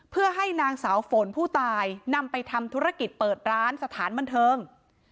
เพื่อให้นางสาวฝนผู้ตายนำไปทำธุรกิจเปิดร้านสถานบันเทิง